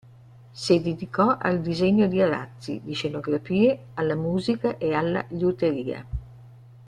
Si dedicò al disegno di arazzi, di scenografie, alla musica e alla liuteria.